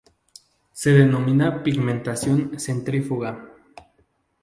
Se denomina pigmentación "centrífuga".